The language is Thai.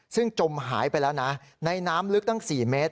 ซึ่งจมหายไปแล้วนะในน้ำลึกตั้ง๔เมตร